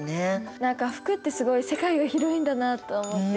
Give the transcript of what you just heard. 何か服ってすごい世界が広いんだなと思って。